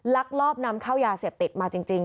ลักลอบนำเข้ายาเสพติดมาจริง